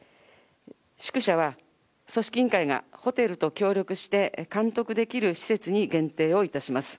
宿舎は組織委員会がホテルと協力して、監督できる施設に限定をいたします。